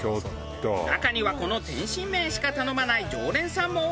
中にはこの天津麺しか頼まない常連さんも多いという。